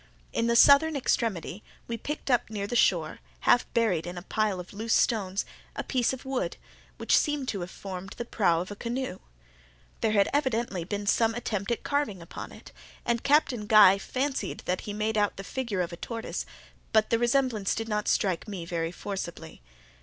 In the southern extremity, we picked up near the shore, half buried in a pile of loose stones, a piece of wood, which seemed to have formed the prow of a canoe. There had been evidently some attempt at carving upon it, and Captain Guy fancied that he made out the figure of a tortoise, but the resemblance did not strike me very forcibly.